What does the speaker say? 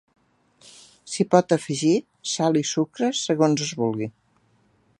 S'hi pot afegir sal i sucre segons es vulgui.